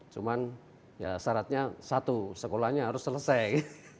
cuman ya syaratnya satu sekolahnya harus selesai